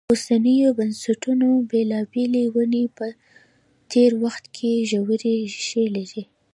اوسنیو بنسټونو بېلابېلې ونې په تېر وخت کې ژورې ریښې لري.